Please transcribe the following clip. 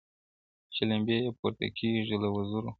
چي لمبې یې پورته کیږي له وزرو-